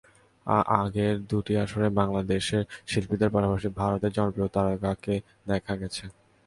আগের দুটি আসরেও বাংলাদেশের শিল্পীদের পাশাপাশি ভারতের জনপ্রিয় তারকাকে দেখা গেছে।